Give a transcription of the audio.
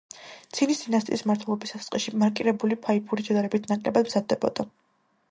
ცინის დინასტიის მმართველობის დასაწყისში მარკირებული ფაიფური შედარებით ნაკლებად მზადდებოდა.